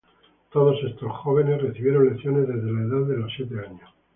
Todos estos jóvenes recibieron lecciones, desde la edad de siete años.